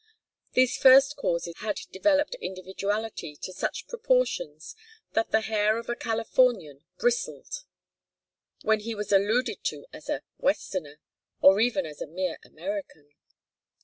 These first causes had developed individuality to such proportions that the hair of a Californian bristled when he was alluded to as a "Westerner," or even as a mere American.